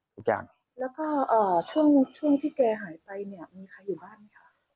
แล้วก็ช่วงที่แกหายไปเนี่ยมีใครอยู่บ้านไหมคะ